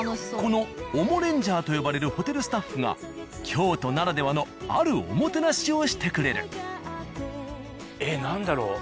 このオモレンジャーと呼ばれるホテルスタッフが京都ならではのあるおもてなしをしてくれる。